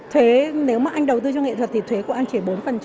thuế nếu mà anh đầu tư cho nghệ thuật thì thuế của anh chỉ bốn